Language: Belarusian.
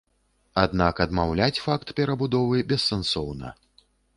Аднак адмаўляць факт перабудовы бессэнсоўна.